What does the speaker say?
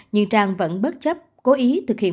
nhưng trang vẫn bất chấp cố ý thực hiện